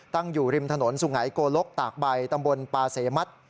ตั้งอยู่ริมถนนสุไงโกลกตากใบตำบลปาเสมัติ